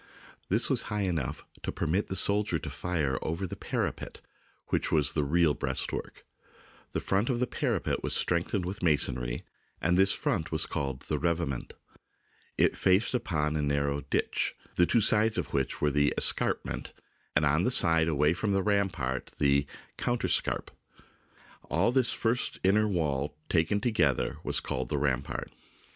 This was high enough to permit the soldier to fire over the " parapet," which was the real breastwork. The front of the parapet was strengthened with masonry, and this front was called the " revetment." It faced upon a narrow " ditch," the two sides of which were the " escarpment," and on the side away from the ram part, the " counterscarp." All this first inner wall, taken together, was called the rampart.